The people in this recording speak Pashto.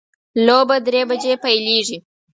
لوبه درې بجې پیلیږي